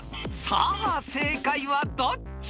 さあ正解はどっち？］